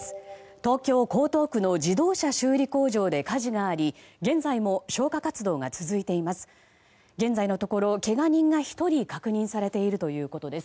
東京・江東区の自動車修理工場で火事があり現在も消火活動が続いています。